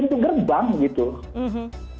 pintu gerbang orang bisa berbicara tentang gambir